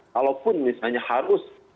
kalaupun misalnya harus